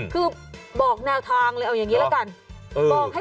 คือบอกแนวทางเลยเอาอย่างนี้ละกัน